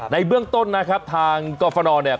ในเบื้องต้นนะครับทางกรฟนเนี่ย